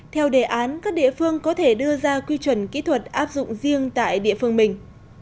theo đề án các địa phương có thể đưa ra quy chuẩn kỹ thuật áp dụng riêng tại địa phương mình